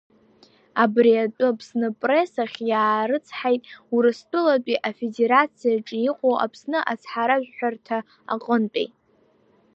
Абри атәы Аԥсныпресс ахь иаарыцҳаит Урыстәылатәи Афедерациаҿы иҟоу Аԥсны ацҳаражәҳәарҭа аҟынтәи.